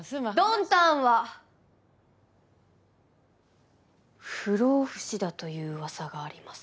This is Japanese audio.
ドンタンは不老不死だという噂があります。